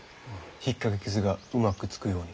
ひっかき傷がうまくつくように。